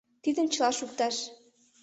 Тидым чыла шукташ